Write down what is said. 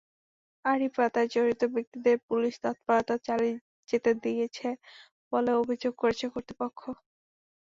আড়ি পাতায় জড়িত ব্যক্তিদের পুলিশ তৎপরতা চালিয়ে যেতে দিয়েছে বলেও অভিযোগ করেছে কর্তৃপক্ষ।